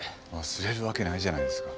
忘れるわけないじゃないですか。